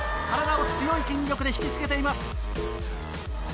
体を強い筋力で引き付けています。